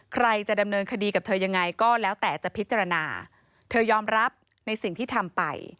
ใครจะดำเนินคดีกับเธอยังไงก็แล้วแต่จะพิจารณาเธอยอมรับในสิ่งที่ทำไป